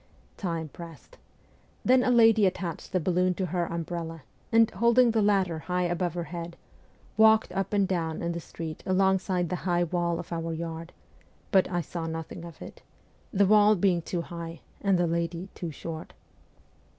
Time pressed. Then a lady attached the balloon to her umbrella, and, holding the latter high above her head, walked up and down in the street alongside the high wall of our yard ; but I saw nothing of it ; the wall being too high, and the lady too short.